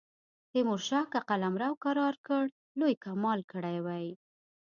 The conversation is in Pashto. تیمورشاه که قلمرو کرار کړ لوی کمال کړی وي.